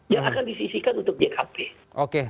yang akan disisikan untuk jkp